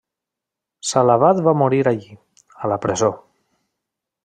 Salavat va morir allí, a la presó.